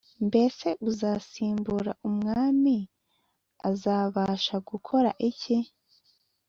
Mbese uzasimbura umwami azabasha gukora iki?